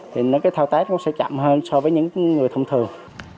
thì cái thao tác nó sẽ chậm hơn so với những người thông thường